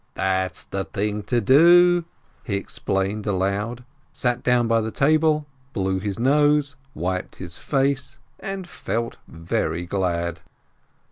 "That's the thing to do !" he explained aloud, sat down by the table, blew his nose, wiped his face, and felt very glad.